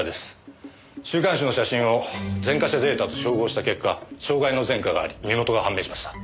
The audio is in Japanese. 週刊誌の写真を前科者データと照合した結果傷害の前科があり身元が判明しました。